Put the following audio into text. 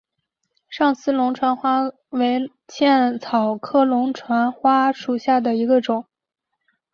上思龙船花为茜草科龙船花属下的一个种。